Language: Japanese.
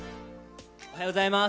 おはようございます。